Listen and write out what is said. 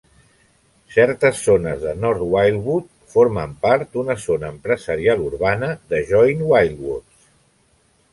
Certes zones de North Wildwood formen part d'una zona empresarial urbana de Joint Wildwoods.